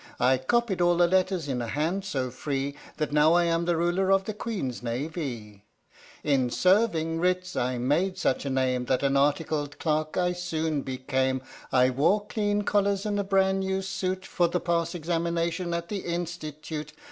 I copied all the letters in a hand so free That now I am the Ruler of the Queen's Navee. 42 H.M.S. "PINAFORE" In serving writs I made such a name, That an articled clerk I soon became; I wore clean collars and a bran new suit For the pass examination at the Institute.